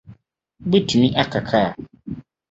Wubetumi aka kar?